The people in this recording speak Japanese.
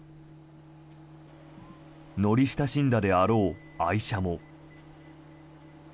乗り親しんだであろう愛車も。